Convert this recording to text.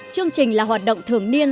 chương trình là hoạt động thường niên